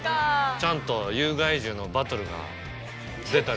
チャンと有害獣のバトルが出たりね。